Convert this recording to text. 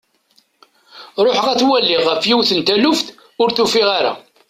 Ruḥeɣ ad t-waliɣ ɣef yiwet n taluft, ur t-ufiɣ ara.